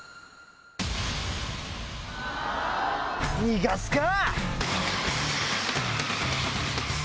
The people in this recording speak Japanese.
逃がすか！